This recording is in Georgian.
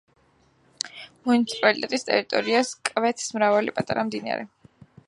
მუნიციპალიტეტის ტერიტორიას კვეთს მრავალი პატარა მდინარე.